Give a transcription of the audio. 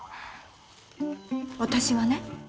私はね。